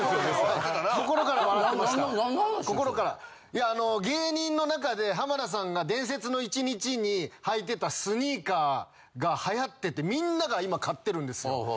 いや芸人の中で浜田さんが「伝説の一日」に履いてたスニーカーが流行っててみんなが今買ってるんですよ。